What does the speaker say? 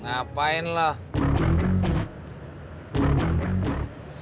apa yang kamu lakukan